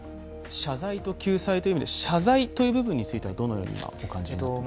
謝罪と救済という意味では、謝罪という部分ではどのようにお感じになっていますか？